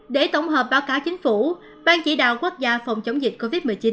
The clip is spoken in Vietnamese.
để tổng hợp báo cáo chính phủ ban chỉ đạo quốc gia phòng chống dịch covid một mươi chín